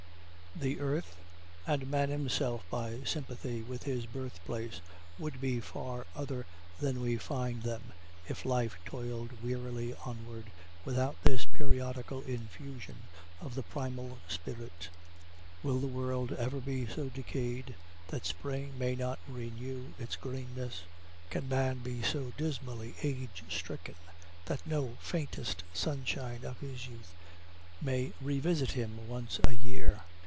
Thank Providence for spring! The earth and man himself, by sympathy with his birthplace would be far other than we find them if life toiled wearily onward without this periodical infusion of the primal spirit. Will the world ever be so decayed that spring may not renew its greenness? Can man be so dismally age stricken that no faintest sunshine of his youth may revisit him once a year?